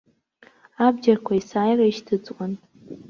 Абџьарқәа есааира ишьҭыҵуан.